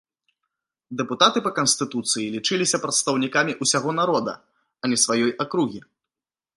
Дэпутаты па канстытуцыі лічыліся прадстаўнікамі ўсяго народа, а не сваёй акругі.